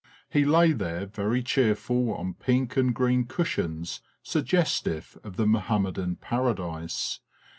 He lay there very cheerful on pink and green cushions sug gestive of the Mahommedan Paradise.